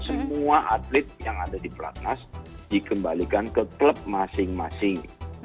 semua atlet yang ada di platnas dikembalikan ke klub masing masing